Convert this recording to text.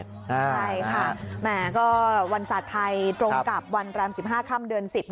ใช่ค่ะแหมก็วันศาสตร์ไทยตรงกับวันแรม๑๕ค่ำเดือน๑๐